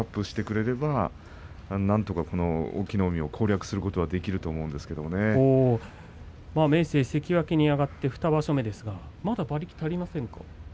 ワンランクアップしてくれればなんとか隠岐の海を攻略すること明生、関脇に上がって２場所目ですがまだ馬力が足りませんか。